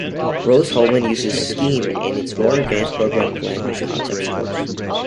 Rose-Hulman uses Scheme in its more advanced Programming Language Concepts course.